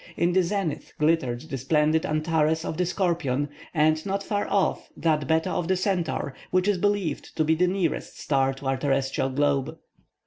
In the zenith glittered the splendid Antares of the Scorpion, and not far off that Beta of the Centaur, which is believed to be the nearest star to our terrestrial globe.